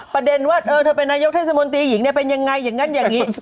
ประเด็นว่าเธอเป็นนายกเทศมนตรีหญิงเนี่ยเป็นยังไงอย่างนั้นอย่างนี้